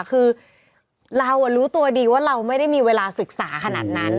คือเรารู้ตัวดีว่าเราไม่ได้มีเวลาศึกษาขนาดนั้น